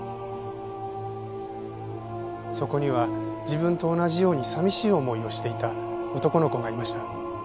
そこには自分と同じように寂しい思いをしていた男の子がいました。